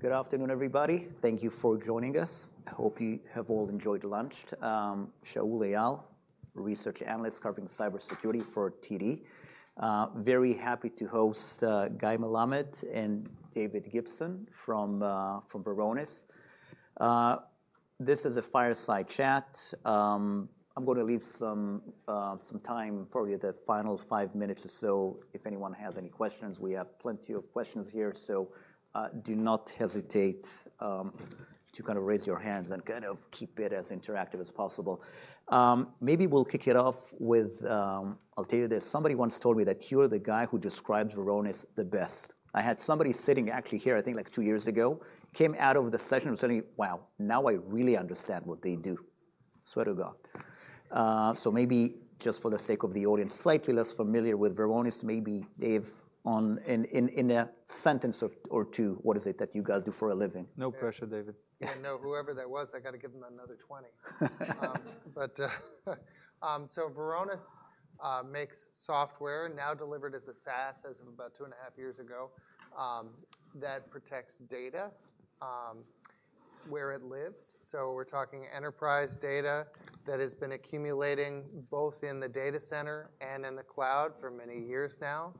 Good afternoon, everybody. Thank you for joining us. I hope you have all enjoyed lunch. Shaul Leal, research analyst covering cybersecurity for TD. Very happy to host Guy Melamed and David Gibson from Varonis. This is a fireside chat. I'm going to leave some time, probably the final five minutes or so, if anyone has any questions. We have plenty of questions here, so do not hesitate to kind of raise your hands and kind of keep it as interactive as possible. Maybe we'll kick it off with, I'll tell you this. Somebody once told me that you are the guy who describes Varonis the best. I had somebody sitting actually here, I think like two years ago, came out of the session and said, wow, now I really understand what they do. Swear to God. Maybe just for the sake of the audience, slightly less familiar with Varonis, maybe Dave, in a sentence or two, what is it that you guys do for a living? No pressure, David. Yeah, no, whoever that was, I got to give them another 20. Varonis makes software, now delivered as a SaaS, as of about two and a half years ago, that protects data where it lives. We are talking enterprise data that has been accumulating both in the data center and in the cloud for many years now.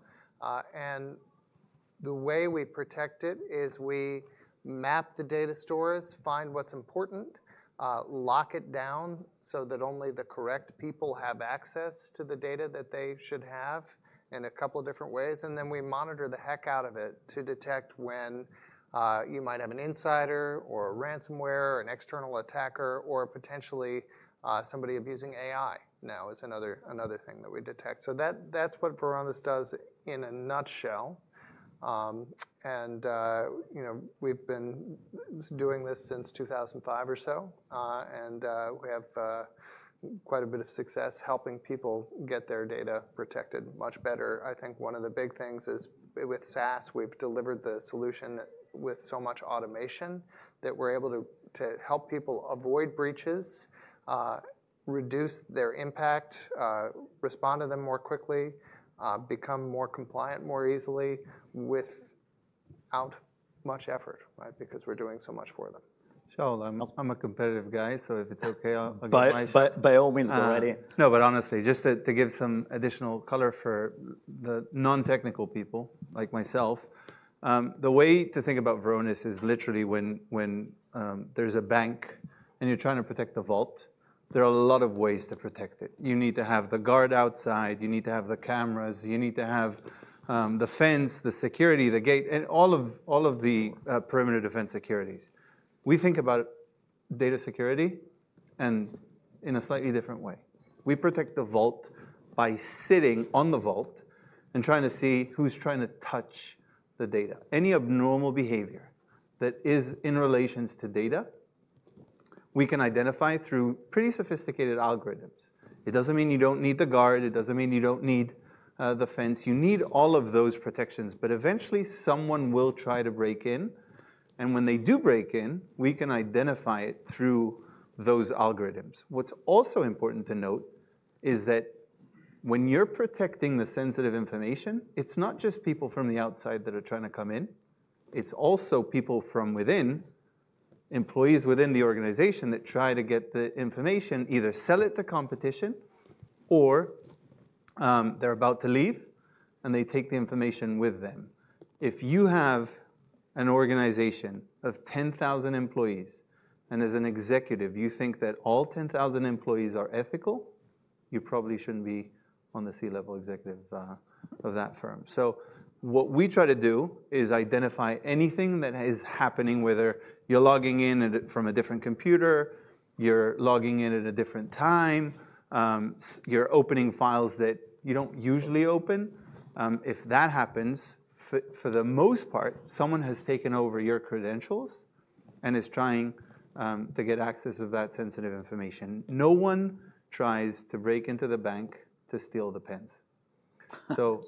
The way we protect it is we map the data stores, find what's important, lock it down so that only the correct people have access to the data that they should have in a couple of different ways. We monitor the heck out of it to detect when you might have an insider or ransomware or an external attacker or potentially somebody abusing AI. Now is another thing that we detect. That is what Varonis does in a nutshell. We have been doing this since 2005 or so. We have quite a bit of success helping people get their data protected much better. I think one of the big things is with SaaS, we've delivered the solution with so much automation that we're able to help people avoid breaches, reduce their impact, respond to them more quickly, become more compliant more easily without much effort, because we're doing so much for them. Shaul, I'm a competitive guy, so if it's OK, I'll give my shot. By all means, go right in. No, but honestly, just to give some additional color for the non-technical people like myself, the way to think about Varonis is literally when there's a bank and you're trying to protect the vault, there are a lot of ways to protect it. You need to have the guard outside. You need to have the cameras. You need to have the fence, the security, the gate, and all of the perimeter defense securities. We think about data security in a slightly different way. We protect the vault by sitting on the vault and trying to see who's trying to touch the data. Any abnormal behavior that is in relations to data, we can identify through pretty sophisticated algorithms. It doesn't mean you don't need the guard. It doesn't mean you don't need the fence. You need all of those protections. But eventually, someone will try to break in. When they do break in, we can identify it through those algorithms. What's also important to note is that when you're protecting the sensitive information, it's not just people from the outside that are trying to come in. It's also people from within, employees within the organization that try to get the information, either sell it to competition or they're about to leave, and they take the information with them. If you have an organization of 10,000 employees, and as an executive, you think that all 10,000 employees are ethical, you probably shouldn't be on the C-level executive of that firm. What we try to do is identify anything that is happening, whether you're logging in from a different computer, you're logging in at a different time, you're opening files that you don't usually open. If that happens, for the most part, someone has taken over your credentials and is trying to get access to that sensitive information. No one tries to break into the bank to steal the pens.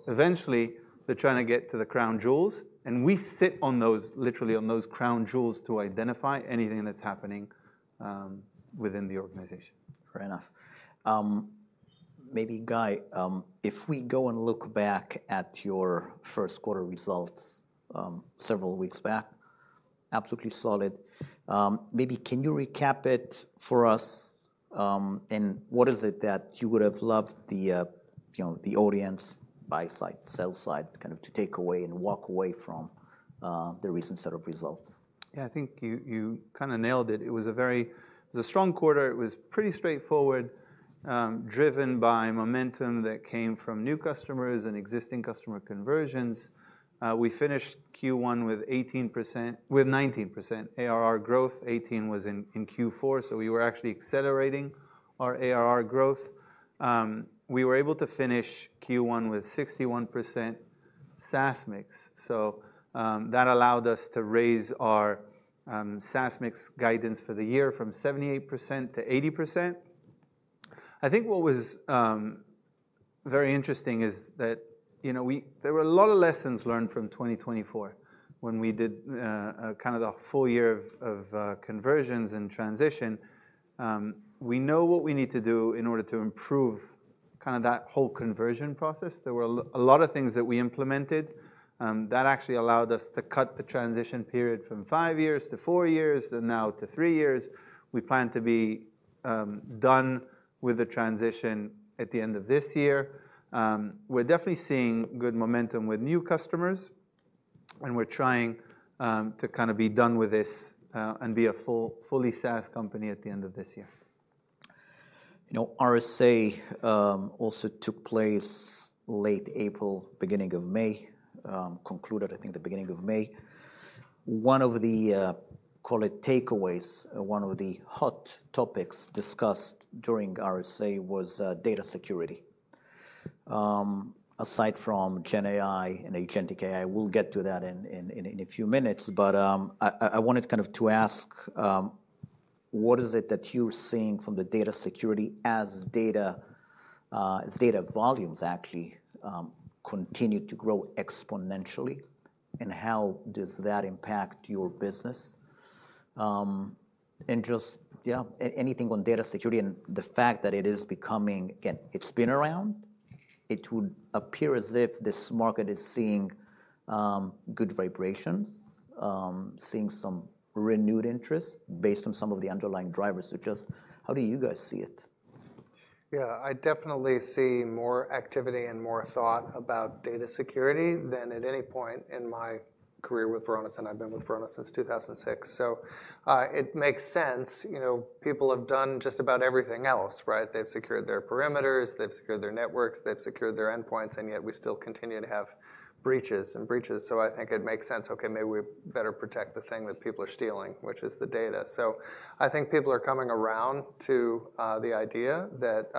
Eventually, they're trying to get to the crown jewels. We sit literally on those crown jewels to identify anything that's happening within the organization. Fair enough. Maybe Guy, if we go and look back at your first quarter results several weeks back, absolutely solid. Maybe can you recap it for us? What is it that you would have loved the audience, buy side, sell side, to take away and walk away from the recent set of results? Yeah, I think you kind of nailed it. It was a strong quarter. It was pretty straightforward, driven by momentum that came from new customers and existing customer conversions. We finished Q1 with 19% ARR growth. 18% was in Q4, so we were actually accelerating our ARR growth. We were able to finish Q1 with 61% SaaS mix. That allowed us to raise our SaaS mix guidance for the year from 78%-80%. I think what was very interesting is that there were a lot of lessons learned from 2024 when we did kind of the full year of conversions and transition. We know what we need to do in order to improve kind of that whole conversion process. There were a lot of things that we implemented that actually allowed us to cut the transition period from five years to four years and now to three years. We plan to be done with the transition at the end of this year. We are definitely seeing good momentum with new customers. We are trying to kind of be done with this and be a fully SaaS company at the end of this year. RSA also took place late April, beginning of May, concluded, I think, the beginning of May. One of the, call it takeaways, one of the hot topics discussed during RSA was data security. Aside from Gen AI and agentic AI, we'll get to that in a few minutes. I wanted kind of to ask, what is it that you're seeing from the data security as data volumes actually continue to grow exponentially? How does that impact your business? Just, yeah, anything on data security and the fact that it is becoming, again, it's been around. It would appear as if this market is seeing good vibrations, seeing some renewed interest based on some of the underlying drivers. Just how do you guys see it? Yeah, I definitely see more activity and more thought about data security than at any point in my career with Varonis. And I've been with Varonis since 2006. It makes sense. People have done just about everything else. They've secured their perimeters. They've secured their networks. They've secured their endpoints. Yet we still continue to have breaches and breaches. I think it makes sense, OK, maybe we better protect the thing that people are stealing, which is the data. I think people are coming around to the idea that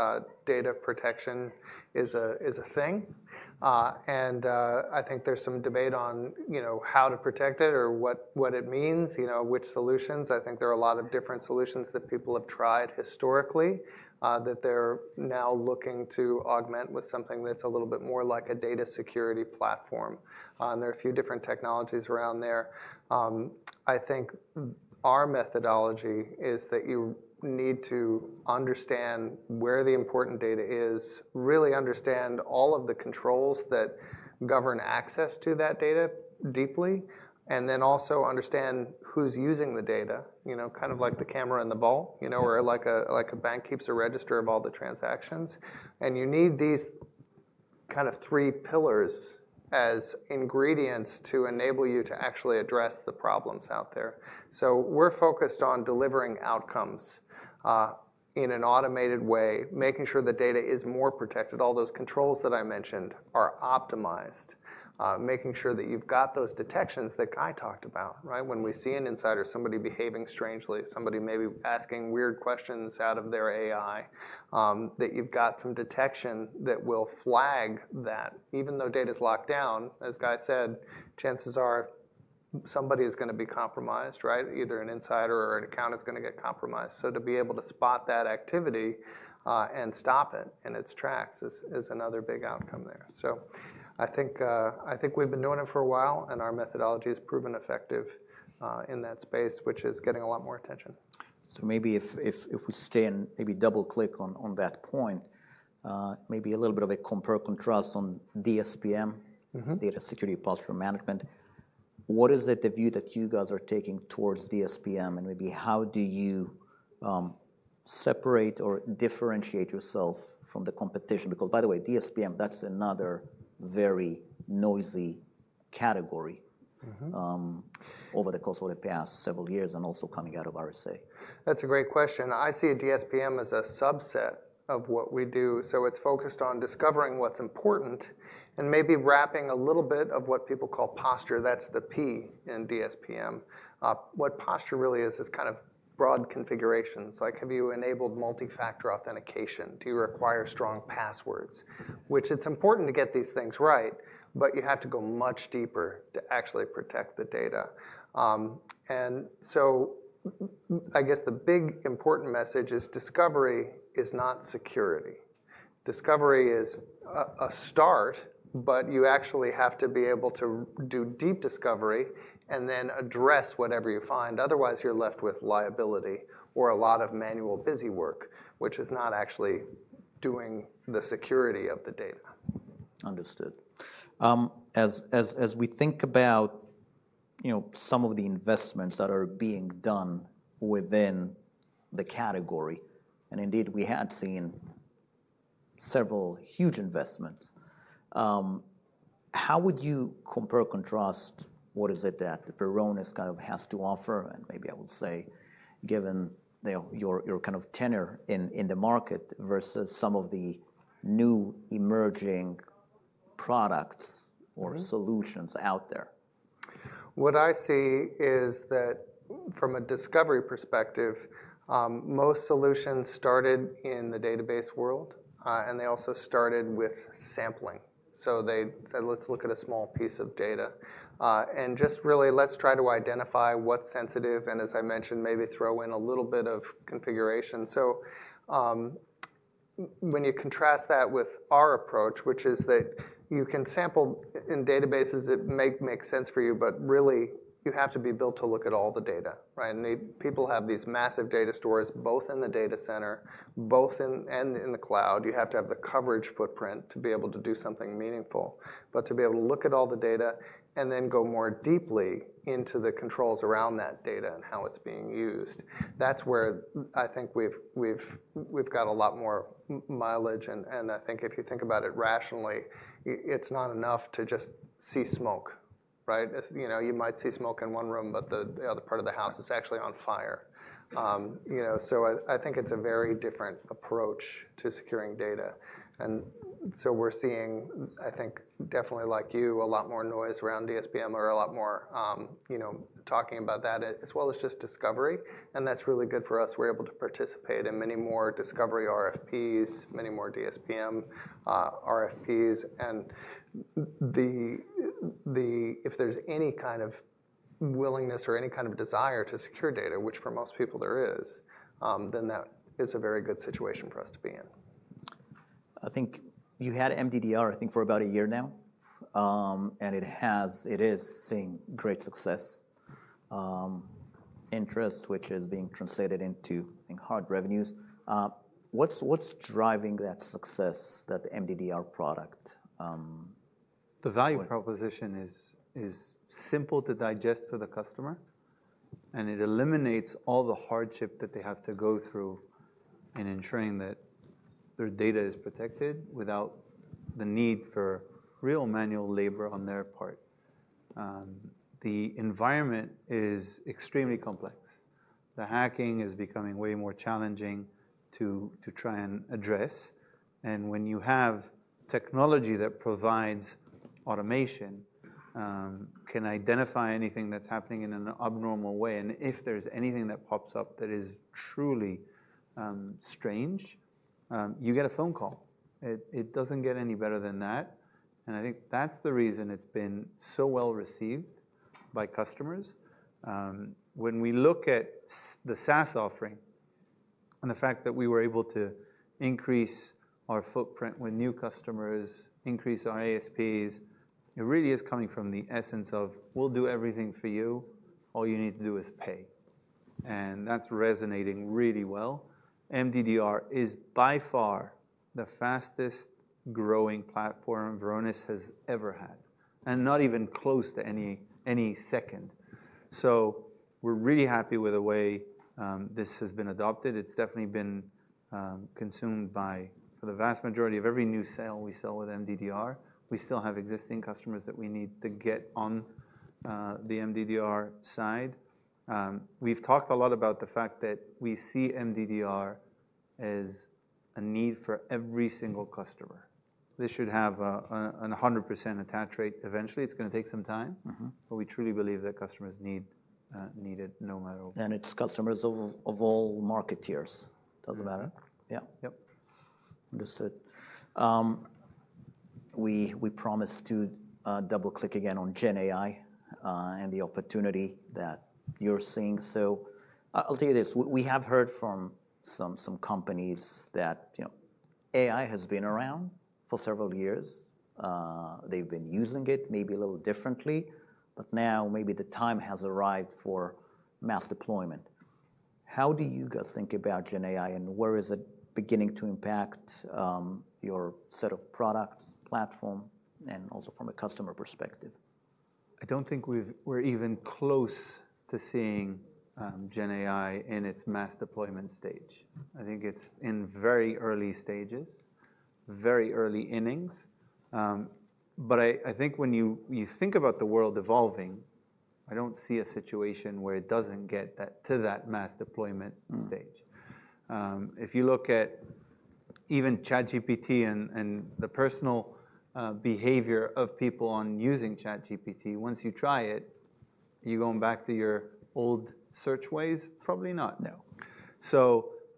data protection is a thing. I think there's some debate on how to protect it or what it means, which solutions. I think there are a lot of different solutions that people have tried historically that they're now looking to augment with something that's a little bit more like a data security platform. There are a few different technologies around there. I think our methodology is that you need to understand where the important data is, really understand all of the controls that govern access to that data deeply, and then also understand who's using the data, kind of like the camera in the vault, or like a bank keeps a register of all the transactions. You need these kind of three pillars as ingredients to enable you to actually address the problems out there. We're focused on delivering outcomes in an automated way, making sure the data is more protected, all those controls that I mentioned are optimized, making sure that you've got those detections that Guy talked about, when we see an insider, somebody behaving strangely, somebody maybe asking weird questions out of their AI, that you've got some detection that will flag that. Even though data is locked down, as Guy said, chances are somebody is going to be compromised, either an insider or an account is going to get compromised. To be able to spot that activity and stop it in its tracks is another big outcome there. I think we've been doing it for a while, and our methodology has proven effective in that space, which is getting a lot more attention. Maybe if we stay and maybe double-click on that point, maybe a little bit of a compare and contrast on DSPM, Data Security Posture Management. What is it, the view that you guys are taking towards DSPM? And maybe how do you separate or differentiate yourself from the competition? Because by the way, DSPM, that's another very noisy category over the course of the past several years and also coming out of RSA. That's a great question. I see DSPM as a subset of what we do. It is focused on discovering what's important and maybe wrapping a little bit of what people call posture. That is the P in DSPM. What posture really is, is kind of broad configurations. Like have you enabled multi-factor authentication? Do you require strong passwords? It is important to get these things right, but you have to go much deeper to actually protect the data. I guess the big important message is discovery is not security. Discovery is a start, but you actually have to be able to do deep discovery and then address whatever you find. Otherwise, you are left with liability or a lot of manual busywork, which is not actually doing the security of the data. Understood. As we think about some of the investments that are being done within the category, and indeed we had seen several huge investments, how would you compare and contrast what is it that Varonis kind of has to offer? Maybe I would say, given your kind of tenure in the market versus some of the new emerging products or solutions out there. What I see is that from a discovery perspective, most solutions started in the database world. They also started with sampling. They said, let's look at a small piece of data. Just really, let's try to identify what's sensitive. As I mentioned, maybe throw in a little bit of configuration. When you contrast that with our approach, which is that you can sample in databases that may make sense for you, really you have to be built to look at all the data. People have these massive data stores, both in the data center and in the cloud. You have to have the coverage footprint to be able to do something meaningful, to be able to look at all the data and then go more deeply into the controls around that data and how it's being used. That's where I think we've got a lot more mileage. I think if you think about it rationally, it's not enough to just see smoke. You might see smoke in one room, but the other part of the house is actually on fire. I think it's a very different approach to securing data. We're seeing, I think, definitely like you, a lot more noise around DSPM or a lot more talking about that, as well as just discovery. That's really good for us. We're able to participate in many more discovery RFPs, many more DSPM RFPs. If there's any kind of willingness or any kind of desire to secure data, which for most people there is, then that is a very good situation for us to be in. I think you had MDDR, I think, for about a year now. It is seeing great success, interest, which is being translated into hard revenues. What is driving that success, that MDDR product? The value proposition is simple to digest for the customer. It eliminates all the hardship that they have to go through in ensuring that their data is protected without the need for real manual labor on their part. The environment is extremely complex. Hacking is becoming way more challenging to try and address. When you have technology that provides automation, can identify anything that's happening in an abnormal way, and if there's anything that pops up that is truly strange, you get a phone call. It doesn't get any better than that. I think that's the reason it's been so well received by customers. When we look at the SaaS offering and the fact that we were able to increase our footprint with new customers, increase our ASPs, it really is coming from the essence of, we'll do everything for you. All you need to do is pay. That is resonating really well. MDDR is by far the fastest growing platform Varonis has ever had, and not even close to any second. We are really happy with the way this has been adopted. It has definitely been consumed by the vast majority of every new sale we sell with MDDR. We still have existing customers that we need to get on the MDDR side. We have talked a lot about the fact that we see MDDR as a need for every single customer. This should have a 100% attach rate. Eventually, it is going to take some time. We truly believe that customers need it no matter what. It's customers of all market tiers. Doesn't matter. Yeah. Yep. Understood. We promised to double-click again on Gen AI and the opportunity that you're seeing. I'll tell you this. We have heard from some companies that AI has been around for several years. They've been using it maybe a little differently. Now maybe the time has arrived for mass deployment. How do you guys think about Gen AI, and where is it beginning to impact your set of products, platform, and also from a customer perspective? I don't think we're even close to seeing Gen AI in its mass deployment stage. I think it's in very early stages, very early innings. I think when you think about the world evolving, I don't see a situation where it doesn't get to that mass deployment stage. If you look at even ChatGPT and the personal behavior of people on using ChatGPT, once you try it, are you going back to your old search ways? Probably not, no.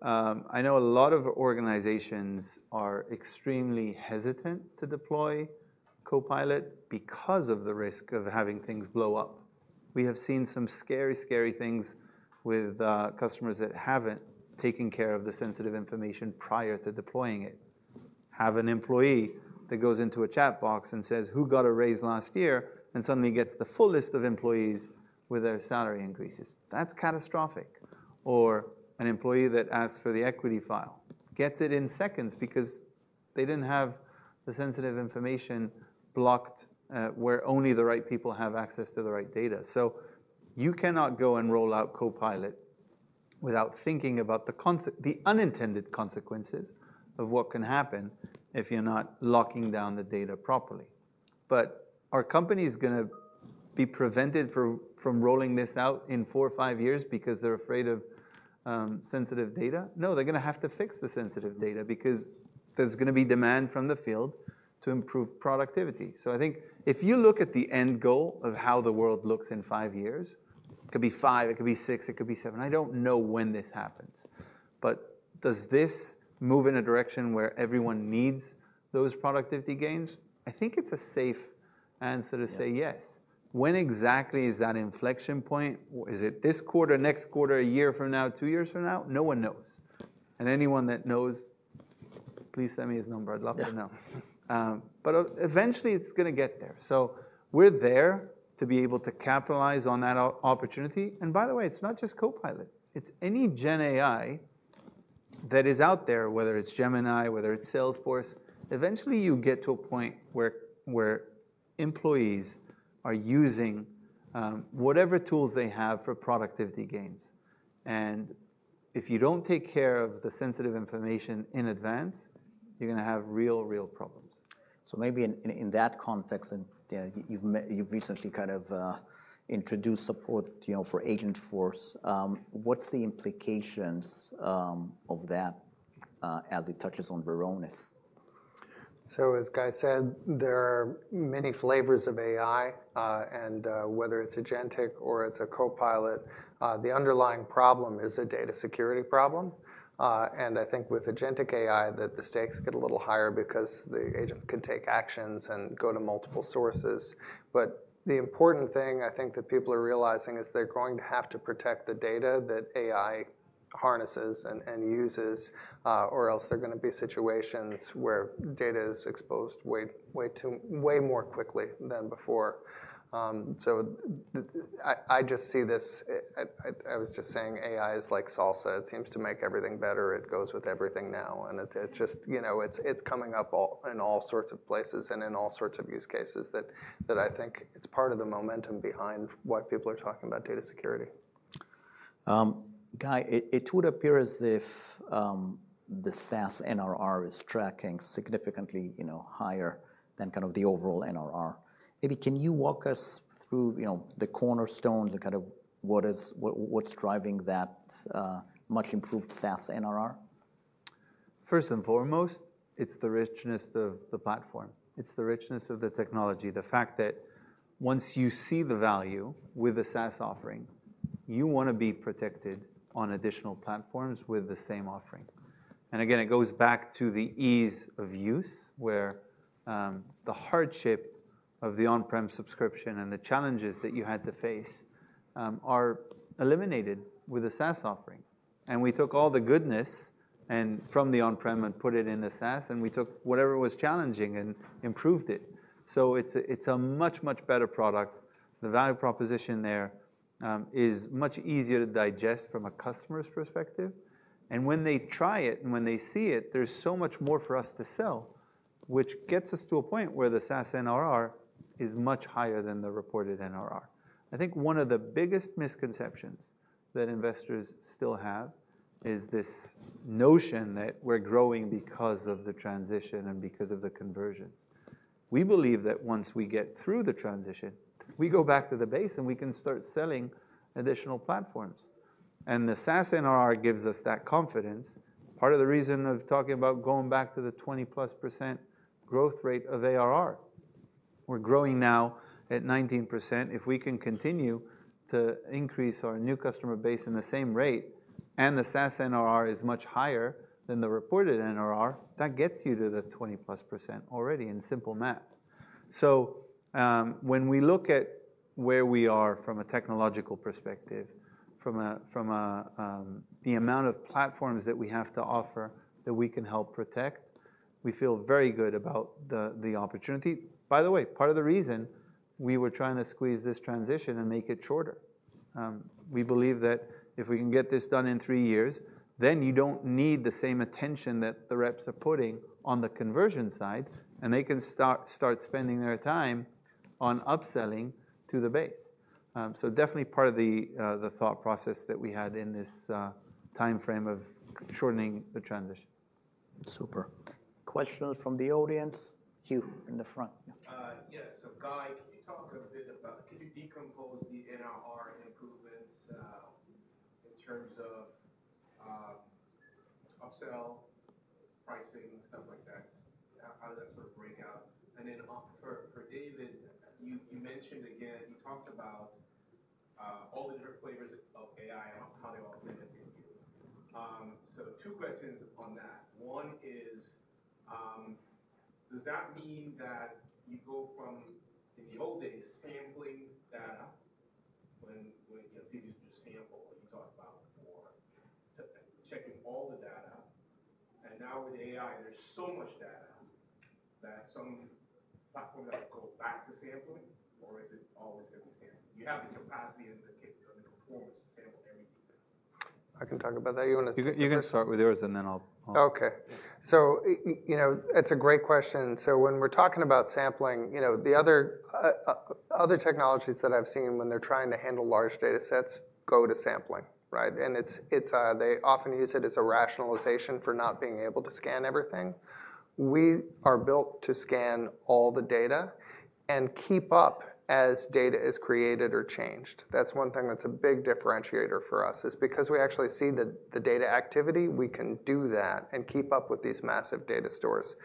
I know a lot of organizations are extremely hesitant to deploy Copilot because of the risk of having things blow up. We have seen some scary, scary things with customers that have not taken care of the sensitive information prior to deploying it. Have an employee that goes into a chat box and says, who got a raise last year, and suddenly gets the full list of employees with their salary increases. That is catastrophic. Or an employee that asks for the equity file gets it in seconds because they did not have the sensitive information blocked where only the right people have access to the right data. You cannot go and roll out Copilot without thinking about the unintended consequences of what can happen if you are not locking down the data properly. Are companies going to be prevented from rolling this out in four or five years because they're afraid of sensitive data? No, they're going to have to fix the sensitive data because there's going to be demand from the field to improve productivity. I think if you look at the end goal of how the world looks in five years, it could be five. It could be six. It could be seven. I don't know when this happens. Does this move in a direction where everyone needs those productivity gains? I think it's a safe answer to say yes. When exactly is that inflection point? Is it this quarter, next quarter, a year from now, two years from now? No one knows. Anyone that knows, please send me his number. I'd love to know. Eventually, it's going to get there. We're there to be able to capitalize on that opportunity. By the way, it's not just Copilot. It's any Gen AI that is out there, whether it's Gemini, whether it's Salesforce. Eventually, you get to a point where employees are using whatever tools they have for productivity gains. If you don't take care of the sensitive information in advance, you're going to have real, real problems. Maybe in that context, and you've recently kind of introduced support for Agent Force, what's the implications of that as it touches on Varonis? As Guy said, there are many flavors of AI. Whether it is Agentic or it is a Copilot, the underlying problem is a data security problem. I think with Agentic AI, the stakes get a little higher because the agents can take actions and go to multiple sources. The important thing I think that people are realizing is they are going to have to protect the data that AI harnesses and uses, or else there are going to be situations where data is exposed way more quickly than before. I just see this. I was just saying AI is like salsa. It seems to make everything better. It goes with everything now. It is just coming up in all sorts of places and in all sorts of use cases that I think it is part of the momentum behind why people are talking about data security. Guy, it would appear as if the SaaS NRR is tracking significantly higher than kind of the overall NRR. Maybe can you walk us through the cornerstones and kind of what's driving that much improved SaaS NRR? First and foremost, it's the richness of the platform. It's the richness of the technology. The fact that once you see the value with the SaaS offering, you want to be protected on additional platforms with the same offering. It goes back to the ease of use, where the hardship of the on-prem subscription and the challenges that you had to face are eliminated with the SaaS offering. We took all the goodness from the on-prem and put it in the SaaS. We took whatever was challenging and improved it. It is a much, much better product. The value proposition there is much easier to digest from a customer's perspective. When they try it and when they see it, there is so much more for us to sell, which gets us to a point where the SaaS NRR is much higher than the reported NRR. I think one of the biggest misconceptions that investors still have is this notion that we're growing because of the transition and because of the conversions. We believe that once we get through the transition, we go back to the base, and we can start selling additional platforms. The SaaS NRR gives us that confidence. Part of the reason of talking about going back to the 20%+ growth rate of ARR. We're growing now at 19%. If we can continue to increase our new customer base in the same rate, and the SaaS NRR is much higher than the reported NRR, that gets you to the 20%+ already in simple math. When we look at where we are from a technological perspective, from the amount of platforms that we have to offer that we can help protect, we feel very good about the opportunity. By the way, part of the reason we were trying to squeeze this transition and make it shorter, we believe that if we can get this done in three years, then you do not need the same attention that the reps are putting on the conversion side. They can start spending their time on upselling to the base. Definitely part of the thought process that we had in this time frame of shortening the transition. Super. Questions from the audience? You in the front. Yeah. So Guy, can you talk a bit about, can you decompose the NRR improvements in terms of upsell, pricing, stuff like that? How does that sort of break out? For David, you mentioned again, you talked about all the different flavors of AI and how they all benefit you. Two questions on that. One is, does that mean that you go from, in the old days, sampling data, when people used to sample, what you talked about before, to checking all the data? Now with AI, there's so much data that some platforms have to go back to sampling? Or is it always going to be sampling? You have the capacity and the performance to sample everything. I can talk about that. You want to. You can start with yours, and then I'll. OK. It's a great question. When we're talking about sampling, the other technologies that I've seen, when they're trying to handle large data sets, go to sampling. They often use it as a rationalization for not being able to scan everything. We are built to scan all the data and keep up as data is created or changed. That's one thing that's a big differentiator for us, because we actually see the data activity, we can do that and keep up with these massive data stores.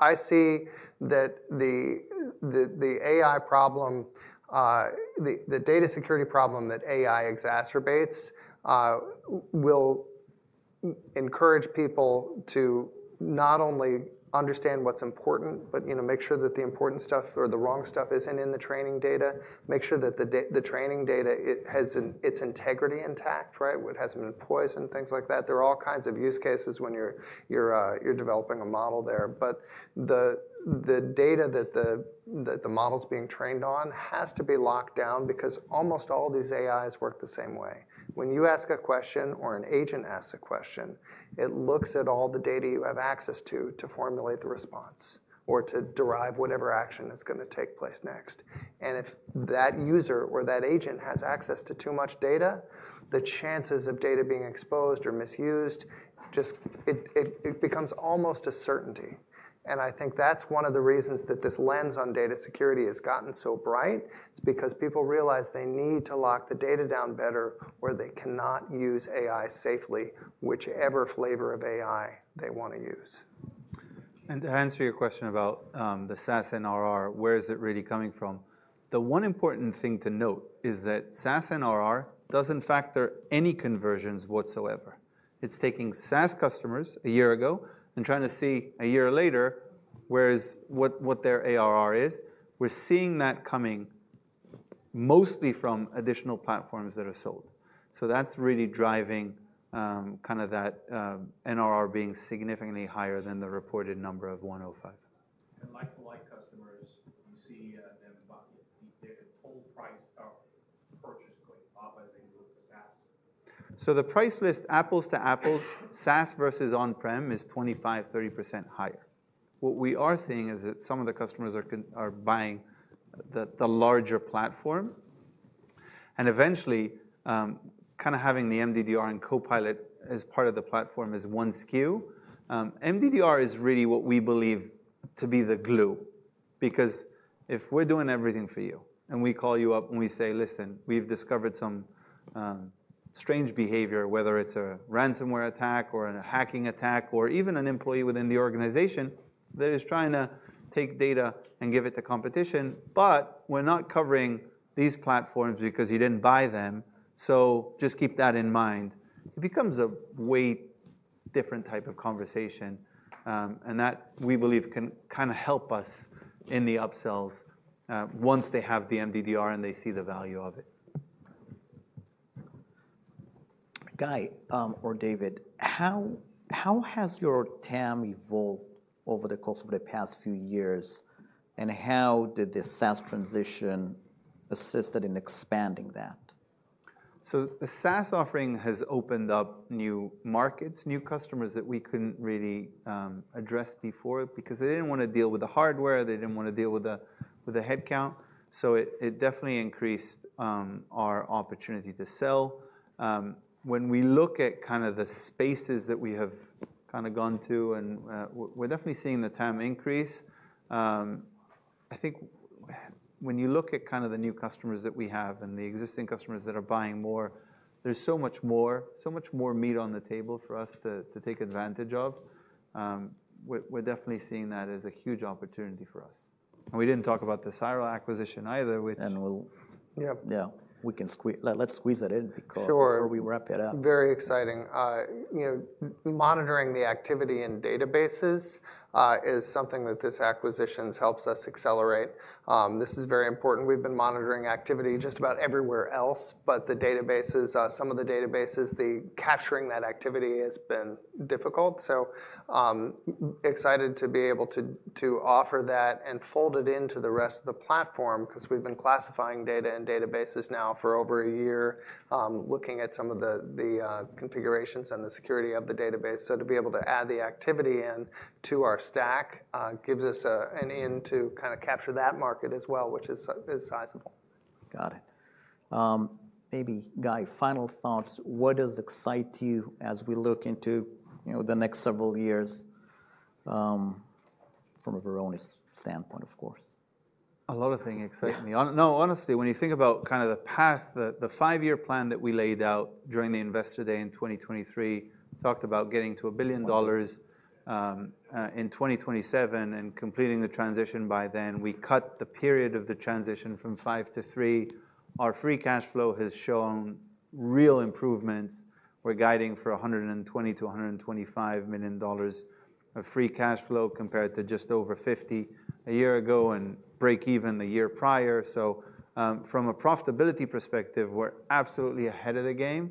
I see that the AI problem, the data security problem that AI exacerbates, will encourage people to not only understand what's important, but make sure that the important stuff or the wrong stuff isn't in the training data. Make sure that the training data has its integrity intact, right? It hasn't been poisoned, things like that. There are all kinds of use cases when you're developing a model there. The data that the model's being trained on has to be locked down because almost all these AIs work the same way. When you ask a question or an agent asks a question, it looks at all the data you have access to to formulate the response or to derive whatever action is going to take place next. If that user or that agent has access to too much data, the chances of data being exposed or misused, it becomes almost a certainty. I think that's one of the reasons that this lens on data security has gotten so bright. It's because people realize they need to lock the data down better where they cannot use AI safely, whichever flavor of AI they want to use. To answer your question about the SaaS NRR, where is it really coming from? The one important thing to note is that SaaS NRR does not factor any conversions whatsoever. It is taking SaaS customers a year ago and trying to see a year later what their ARR is. We are seeing that coming mostly from additional platforms that are sold. That is really driving kind of that NRR being significantly higher than the reported number of 105. Like-to-like customers, you see their total price of purchase going up as they move to SaaS? The price list, apples to apples, SaaS versus on-prem is 25%-30% higher. What we are seeing is that some of the customers are buying the larger platform. Eventually, kind of having the MDDR and Copilot as part of the platform is one SKU. MDDR is really what we believe to be the glue. Because if we're doing everything for you, and we call you up and we say, listen, we've discovered some strange behavior, whether it's a ransomware attack or a hacking attack or even an employee within the organization that is trying to take data and give it to competition, but we're not covering these platforms because you didn't buy them, so just keep that in mind. It becomes a way different type of conversation. We believe that can kind of help us in the upsells once they have the MDDR and they see the value of it. Guy or David, how has your TAM evolved over the course of the past few years? How did this SaaS transition assist in expanding that? The SaaS offering has opened up new markets, new customers that we couldn't really address before because they didn't want to deal with the hardware. They didn't want to deal with the headcount. It definitely increased our opportunity to sell. When we look at kind of the spaces that we have kind of gone to, we're definitely seeing the TAM increase. I think when you look at kind of the new customers that we have and the existing customers that are buying more, there's so much more, so much more meat on the table for us to take advantage of. We're definitely seeing that as a huge opportunity for us. We didn't talk about the Cyril acquisition either. Yeah. We can squeeze, let's squeeze that in before we wrap it up. Sure. Very exciting. Monitoring the activity in databases is something that this acquisition helps us accelerate. This is very important. We've been monitoring activity just about everywhere else, but the databases, some of the databases, the capturing that activity has been difficult. Excited to be able to offer that and fold it into the rest of the platform because we've been classifying data in databases now for over a year, looking at some of the configurations and the security of the database. To be able to add the activity into our stack gives us an end to kind of capture that market as well, which is sizable. Got it. Maybe Guy, final thoughts. What does excite you as we look into the next several years from a Varonis standpoint, of course? A lot of things excite me. No, honestly, when you think about kind of the path, the five-year plan that we laid out during the Investor Day in 2023, talked about getting to a billion dollars in 2027 and completing the transition by then. We cut the period of the transition from five to three. Our free cash flow has shown real improvements. We're guiding for $120 million-$125 million of free cash flow compared to just over $50 million a year ago and break even the year prior. From a profitability perspective, we're absolutely ahead of the game.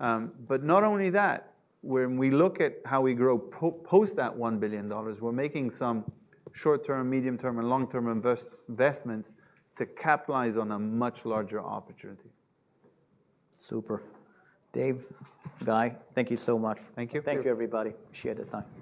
Not only that. When we look at how we grow post that $1 billion, we're making some short-term, medium-term, and long-term investments to capitalize on a much larger opportunity. Super. Dave, Guy, thank you so much. Thank you. Thank you, everybody. Appreciate the time.